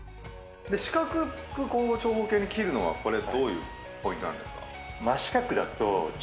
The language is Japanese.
四角く長方形に切るのはどういうポイントですか。